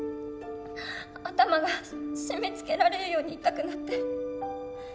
頭が締めつけられるように痛くなって。